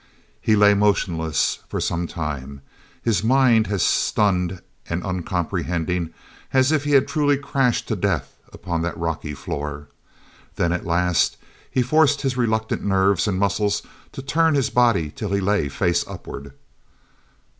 He lay motionless for some time, his mind as stunned and uncomprehending as if he had truly crashed to death upon that rocky floor. Then, at last, he forced his reluctant nerves and muscles to turn his body till he lay face upward.